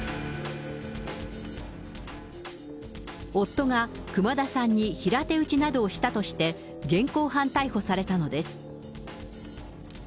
夫が熊田さんに平手打ちなどをしたとして、現行犯逮捕されたのです。